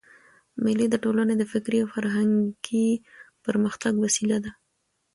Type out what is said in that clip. مېلې د ټولني د فکري او فرهنګي پرمختګ وسیله ده.